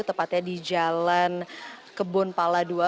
tepatnya di jalan kebun pala ii